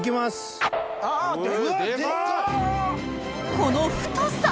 この太さ！